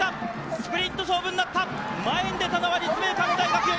スプリント勝負になった前に出たのは立命館大学！